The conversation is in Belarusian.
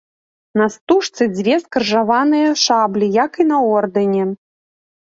На стужцы дзве скрыжаваныя шаблі, як і на ордэне.